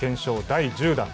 第１０弾。